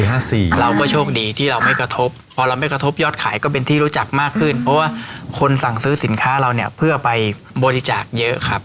เราก็โชคดีที่เราไม่กระทบพอเราไม่กระทบยอดขายก็เป็นที่รู้จักมากขึ้นเพราะว่าคนสั่งซื้อสินค้าเราเนี่ยเพื่อไปบริจาคเยอะครับ